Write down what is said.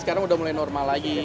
sekarang udah mulai normal lagi ya